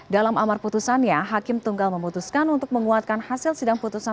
dalam amar putusannya hakim tunggal memutuskan untuk menguatkan hasil sidang putusan